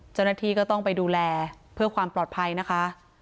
เจ้าหน้าที่ก็ต้องไปดูแลเพื่อความปลอดภัยนะคะ